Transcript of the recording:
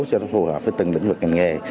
cho nó phù hợp với từng lĩnh vực ngành nghề